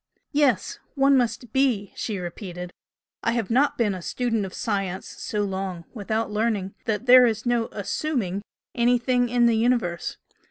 "Yes one must be!" she repeated "I have not BEEN A STUDENT OF SCIENCE SO LONG WITHOUT LEARNING that there is no 'assuming' anything in the universe.